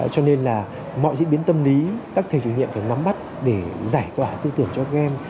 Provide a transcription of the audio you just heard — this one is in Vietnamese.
cho nên là mọi diễn biến tâm lý các thầy chủ nhiệm phải nắm bắt để giải tỏa tư tưởng cho các em